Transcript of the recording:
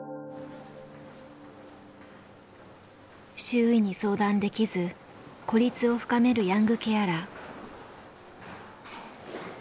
周囲に相談できず孤立を深めるヤングケアラー。